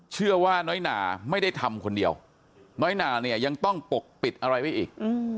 เชื่อว่าน้อยหนาไม่ได้ทำคนเดียวน้อยหนาเนี่ยยังต้องปกปิดอะไรไว้อีก